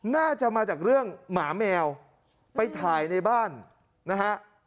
น่าจะมาจากเรื่องหมาแมวไปถ่ายในบ้านนะฮะ